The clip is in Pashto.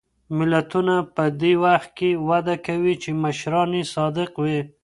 ملتونه په هغه وخت کې وده کوي چې مشران یې صادق وي.